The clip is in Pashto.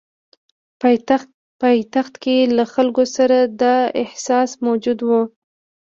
پایتخت کې له خلکو سره دا احساس موجود وو.